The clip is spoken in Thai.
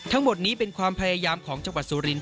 ทั้งหมดนี้เป็นความพยายามของจังหวัดสุรินท